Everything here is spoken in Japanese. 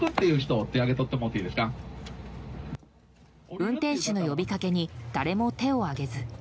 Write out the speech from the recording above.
運転手の呼びかけに誰も手を挙げず。